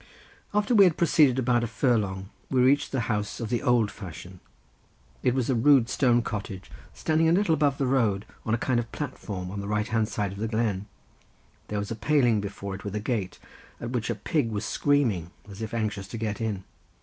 After we had proceeded about a furlong we reached the house of the old fashion. It was a rude stone cottage standing a little above the road on a kind of platform on the right hand side of the glen; there was a paling before it with a gate, at which a pig was screaming, as if anxious to get in.